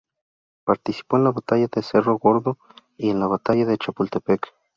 Participó en la batalla de cerro gordo y en la batalla de Chapultepec.